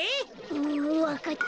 うんわかった。